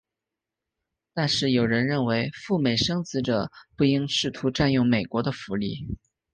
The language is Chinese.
但是有人认为赴美生子者不应试图占用美国的福利。